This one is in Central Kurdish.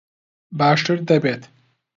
باشتر دەبێت.